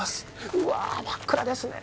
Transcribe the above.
「うわあ真っ暗ですねえ」